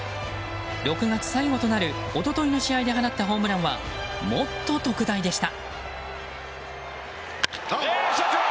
６月最後となる一昨日の試合で放ったホームランはもっと特大でした。